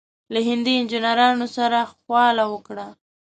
له هندي انجنیرانو سره خواله وکړه.